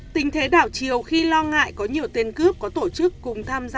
tình thế đảo chiều khi lo ngại có nhiều tên cướp có tổ chức cùng tham gia